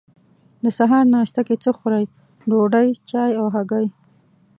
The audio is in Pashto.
د سهار ناشته کی څه خورئ؟ ډوډۍ، چای او هګۍ